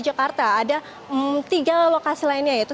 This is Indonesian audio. jakarta ada tiga lokasi lainnya yaitu